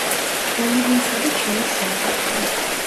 ბოლივიისა და ჩილეს საზღვართან.